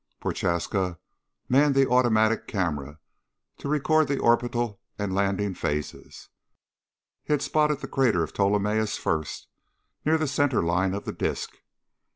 Prochaska manned the automatic camera to record the orbital and landing phases. He spotted the Crater of Ptolemaeus first, near the center line of the disc.